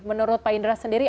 menurut pak indra sendiri